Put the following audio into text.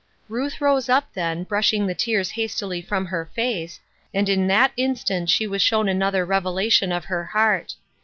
Ruth rose up, then, brushing the tears hastily from her face, and in that instant she was shown another revelation of her heart.